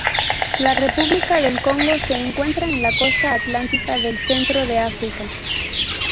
La República del Congo se encuentra en la costa atlántica del centro de África.